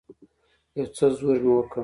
يو څه زور مې وکړ.